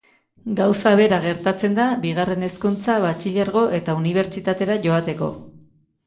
Gauza bera gertatzen da, bigarren hezkuntza, batxilergo eta unibertsitatera joateko.